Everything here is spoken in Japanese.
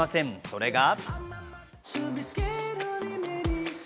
それが。